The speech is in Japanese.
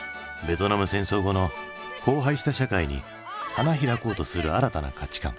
ベトナム戦争後の荒廃した社会に花開こうとする新たな価値観。